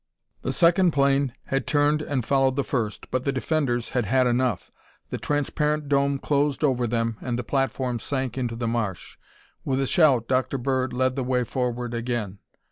The second plane had turned and followed the first, but the defenders had had enough. The transparent dome closed over them and the platform sank into the marsh. With a shout, Dr. Bird led the way forward again.